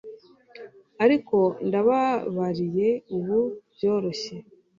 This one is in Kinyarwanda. Ariko ndababariye ubu byoroshye